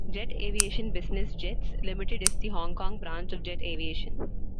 Jet Aviation Business Jets Limited is the Hong Kong branch of Jet Aviation.